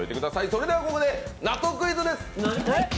それではここで納豆クイズです。